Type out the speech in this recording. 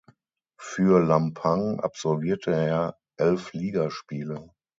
Für Lampang absolvierte er elf Ligaspiele.